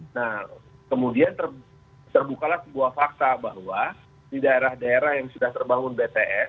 nah kemudian terbukalah sebuah fakta bahwa di daerah daerah yang sudah terbangun bts